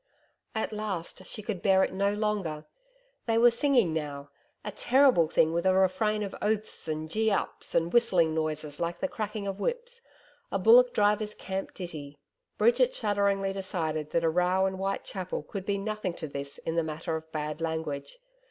At last she could bear it no longer. They were singing now a terrible thing with a refrain of oaths and GEE UPS, and whistling noises like the cracking of whips a bullock drivers' camp ditty. Bridget shudderingly decided that a row in Whitechapel could be nothing to this in the matter of bad language.